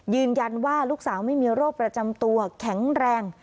ยืนยันว่าลูกสาวไม่มีโรคประจำตัวแข็งแรง